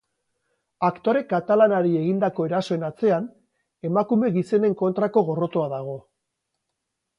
Aktore katalanari egindako erasoen atzean, emakume gizenen kontrako gorrotoa dago.